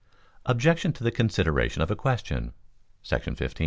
—Objection to the Consideration of a Question [§ 15].